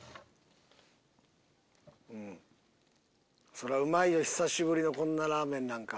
そりゃうまいよ久しぶりのこんなラーメンなんか。